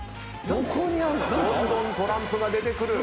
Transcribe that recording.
どこにあんの⁉どんどんトランプが出てくる！